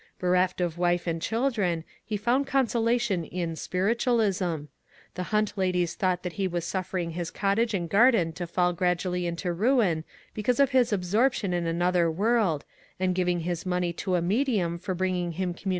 Bereft of wife and children, he found consolation in " spiritualism." The Hunt ladies thought that he was suffering his cottage and garden to fall gradually into ruin because of his absorption in another world, and giv ing his money to a medium for bringing him communications 1 The bream.